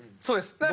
そうです。